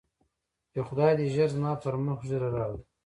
چې خداى دې ژر زما پر مخ ږيره راولي.